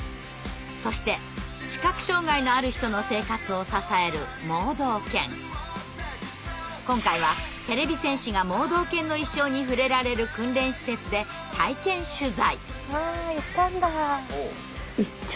そして視覚障害のある人の生活を支える今回はてれび戦士が盲導犬の一生に触れられる訓練施設で体験取材。